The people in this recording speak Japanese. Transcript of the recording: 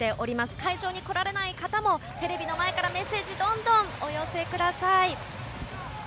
会場に来られない方もテレビの前からメッセージどんどんお寄せください。